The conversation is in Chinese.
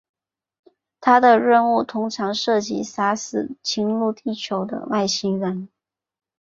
他的任务通常涉及杀死侵入地球的外星人。